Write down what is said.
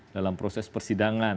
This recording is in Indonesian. dalam proses persidangan